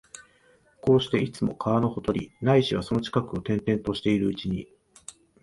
こうして、いつも川のほとり、ないしはその近くを転々としているうちに、